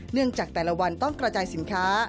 จากแต่ละวันต้องกระจายสินค้า